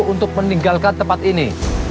untuk meninggalkan tempat ini